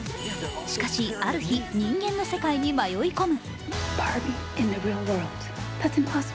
しかし、ある日、人間の世界に迷い込む。